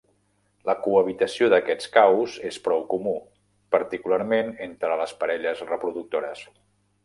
La cohabitació d'aquests caus és prou comú, particularment entre les parelles reproductores.